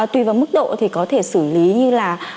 tùy vào mức độ thì có thể xử lý như là